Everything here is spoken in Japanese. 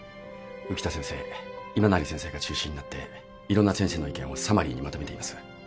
浮田先生今成先生が中心になっていろんな先生の意見をサマリーにまとめています。